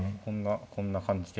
こんな感じで。